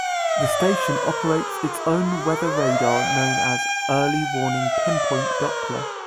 The station operates its own weather radar known as "Early Warning Pinpoint Doppler".